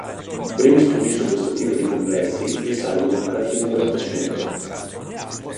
I primi studi su questo tipo di complessi risalgono alla fine dell'Ottocento.